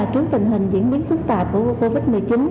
trước tình hình diễn biến phức tạp của covid một mươi chín